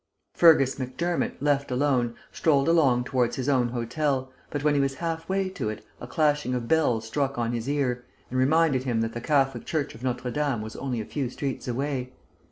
Fergus Macdermott, left alone, strolled along towards his own hotel, but when he was half way to it a clashing of bells struck on his ear, and reminded him that the Catholic Church of Notre Dame was only a few streets away.